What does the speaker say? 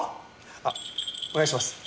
あお願いします。